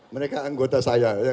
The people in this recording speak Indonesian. mereka anggota saya